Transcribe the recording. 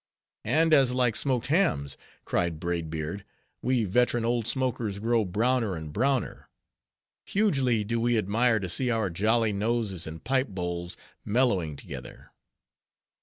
"And as like smoked hams," cried Braid Beard, "we veteran old smokers grow browner and browner; hugely do we admire to see our jolly noses and pipe bowls mellowing together."